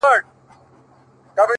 زه سم پء اور کړېږم ستا په محبت شېرينې ـ